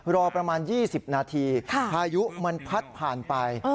รอประมาณ๒๐นาทีพายุมันพัดผ่านไป